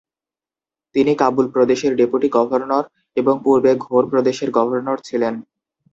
তিনি কাবুল প্রদেশের deputy governor এবং পূর্বে ঘোর প্রদেশের গভর্নর ছিলেন।